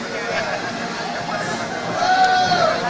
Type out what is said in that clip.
kita akan menikmati